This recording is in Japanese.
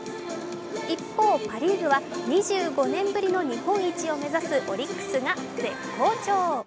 一方、パ・リーグは２５年ぶりの日本一を目指すオリックスが絶好調。